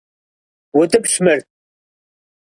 УтӀыпщ мыр!